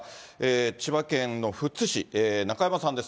千葉県の富津市、中山さんです。